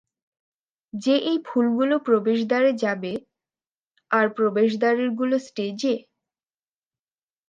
যে এই ফুলগুলো প্রবেশদ্বারে যাবে, আর প্রবেশদ্বারেরগুলো স্টেজে?